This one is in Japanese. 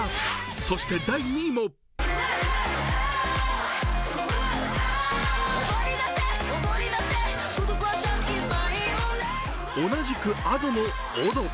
そして第２位も同じくＡｄｏの「踊」。